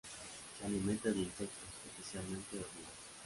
Se alimenta de insectos, especialmente hormigas.